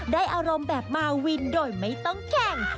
อารมณ์แบบมาวินโดยไม่ต้องแข่ง